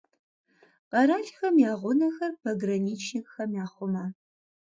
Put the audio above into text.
Къэралхэм я гъунэхэр пограничникхэм яхъумэ.